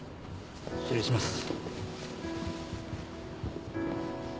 失礼します。